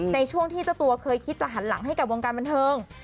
ในช่วงที่เจ้าตัวเคยคิดจะหันหลังให้กับวงการบันเทิง